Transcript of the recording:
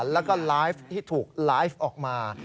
แล้วก็ไลฟ์ที่ถูกไลฟ์ออกมา